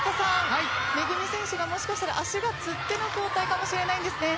めぐみ選手がもしかしたら足がつっての交代かもしれないです。